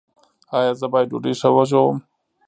ایا زه باید ډوډۍ ښه وژووم؟